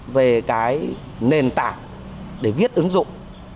về cái nền tảng để viết ứng dụng